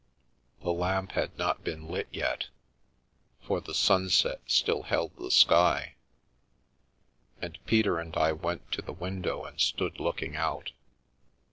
The lamp had not been lit yet, for the sunset still held the sky, and Peter and I went to the window and stood looking out.